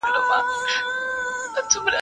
د فیلانو هم سي غاړي اوږدولای.